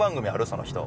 その人。